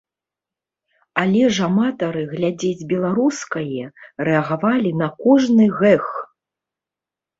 Але ж аматары глядзець беларускае рэагавалі на кожны гэг.